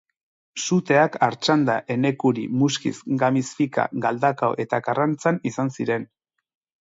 Suteak Artxanda-Enekuri, Muskiz, Gamiz-Fika, Galdakao eta Karrantzan izan ziren.